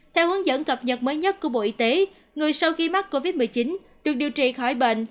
theo hướng dẫn cập nhật mới nhất của bộ y tế người sau khi mắc covid một mươi chín được điều trị khỏi bệnh